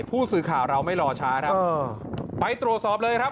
ผู้สื่อข่าวเราไม่รอช้าครับไปตรวจสอบเลยครับ